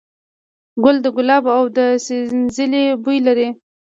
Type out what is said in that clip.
ګل د ګلاب او د سنځلې بوی لري.